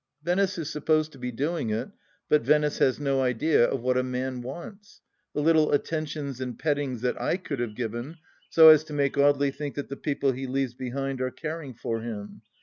Venice is supposed to be doing it, but Venice has no idea of what a man wants : the little attentions and pettings that I could have given, so as to make Audley think that the people he leaves behind are caring for him